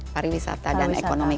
pariwisata dan ekonomi